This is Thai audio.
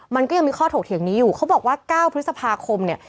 มันก็ยังมีข้อถกเถียงนี้อยู่เขาบอกว่า๙พฤษภาคมเนี่ย